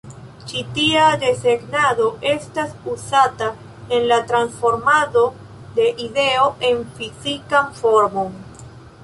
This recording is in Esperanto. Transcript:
Ĉi tia desegnado estas uzata en la transformado de ideo en fizikan formon.